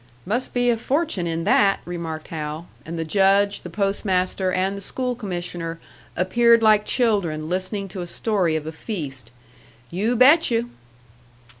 "Must be a fortune in that!" remarked Hal; and the Judge, the Post master and the School commissioner appeared like children listening to a story of a feast. "You bet you!"